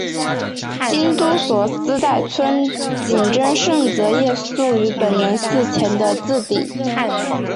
京都所司代村井贞胜则夜宿于本能寺前的自邸。